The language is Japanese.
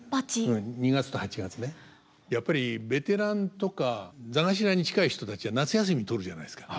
やっぱりベテランとか座頭に近い人たちは夏休み取るじゃないですか。